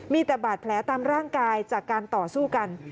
มีแต่บาดแผลตามร่างกายจากการต่อสู้กัน